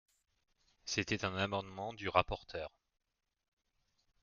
C’était un amendement du rapporteur.